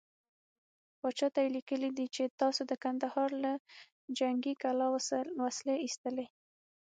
پاچا ته يې ليکلي دي چې تاسو د کندهار له جنګې کلا وسلې ايستلې.